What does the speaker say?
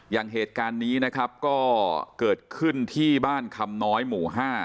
อย่างเหตุการณ์นี้นะครับก็เกิดขึ้นที่บ้านคำน้อยหมู่๕